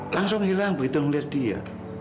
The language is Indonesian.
langsung hilang begitu melihat dia